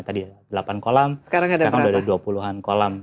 tadi delapan kolam sekarang sudah ada dua puluh an kolam